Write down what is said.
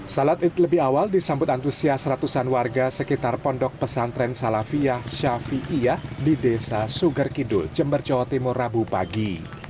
salat id lebih awal disambut antusias ratusan warga sekitar pondok pesantren salafiyah ⁇ syafiiyah di desa suger kidul jember jawa timur rabu pagi